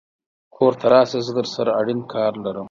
کور ته راشه زه درسره اړين کار لرم